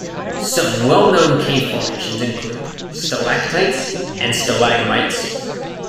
Some well known cave formations include stalactites and stalagmites.